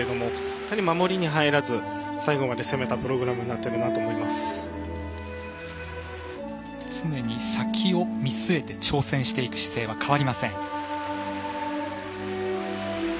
やはり守りに入らず最後まで攻めたプログラムになっているなと常に先を見据えて挑戦していく姿勢は変わりません。